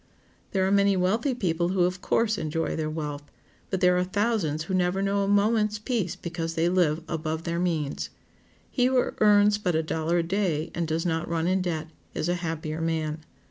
There are many wealthy people who, of course, enjoy their wealth, but there are thousands who never know a moment's peace because they live above their means. He who earns but a dollar a day, and does not run in debt, is a happier man.